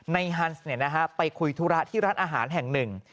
ฮันส์ไปคุยธุระที่ร้านอาหารแห่งหนึ่ง